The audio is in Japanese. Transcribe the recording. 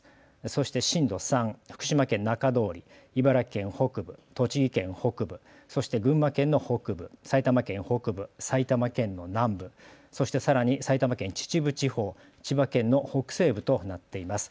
そして震度３、福島県中通り茨城県北部、栃木県北部そして群馬県の北部、埼玉県北部、埼玉県の南部そして埼玉県秩父地方、千葉県の北西部となっています。